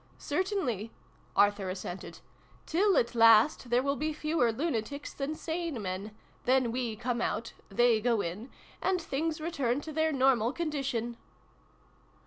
" Certainly," Arthur assented. " Till at last there will be fewer lunatics than sane men. Then we come out : they go in : and things return to their normal condition